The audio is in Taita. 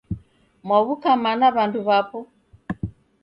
Mwaw'uka mana w'andu w'apo?